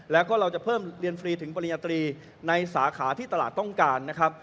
แล้วก็เราจะเพิ่มเรียนฟรีถึงปริญญาตรีในสาขาที่ตลาดต้องการนะครับ